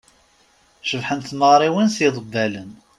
Cebḥent tmeɣriwin s yiḍebbalen.